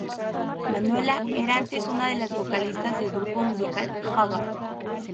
Manuela era antes una de las vocalistas del grupo musical Haggard.